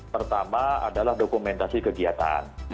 pertama adalah dokumentasi kegiatan